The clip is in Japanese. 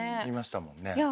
言いましたもんね。